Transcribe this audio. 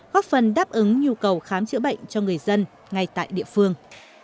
góp phần đáp ứng nhu cầu khám chữa bệnh cho người dân ngay tại địa phương